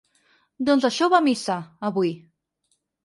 Doncs això va a missa, avui.